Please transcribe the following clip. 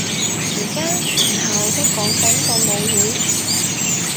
而家全校都講緊個舞會